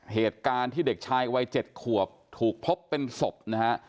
เหตุการณ์ที่เด็กชายวัย๗ขวบถูกพบเป็นศพนะฮะ